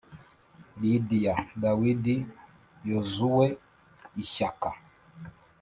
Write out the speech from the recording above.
lidiya, dawidi, yozuwe, ishyaka,